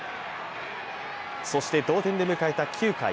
そして、同点で迎えた９回。